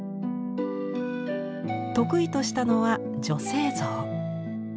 得意としたのは女性像。